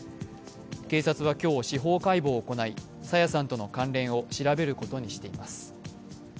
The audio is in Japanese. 警察は今日、司法解剖を行い朝芽さんとの関連を調べることにしています。